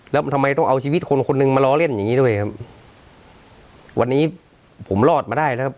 แล้วทำไมต้องเอาชีวิตคนคนหนึ่งมาล้อเล่นอย่างงี้ด้วยครับวันนี้ผมรอดมาได้แล้วครับ